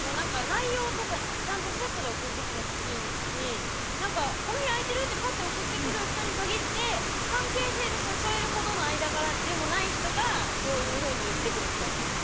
内容とかちゃんとセットで送ってきてほしいしこの日空いてる？って送ってくる人に限って関係性で誘えるほどの間柄でない人がこういうふうに言ってくる気がします。